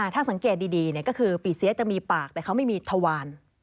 ถ้าสังเกตดีก็คือปีเสียจะมีปากแต่เขาไม่มีทวาร